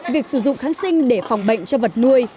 việc sử dụng kháng sinh để phòng bệnh cho vật nuôi